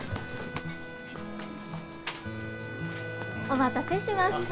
お待たせしました。